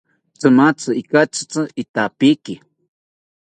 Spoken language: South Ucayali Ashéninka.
Tzimatzi ikatzitzi itapiki